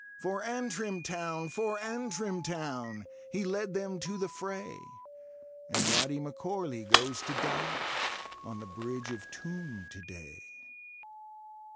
For Antrim town ! for Antrim town I He led them to the fray — And Rody M'Corley goes to die On the Bridge of Toome to day.